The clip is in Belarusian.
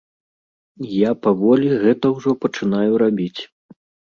Я паволі гэта ўжо пачынаю рабіць.